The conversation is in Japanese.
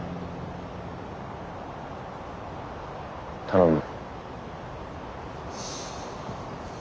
頼む。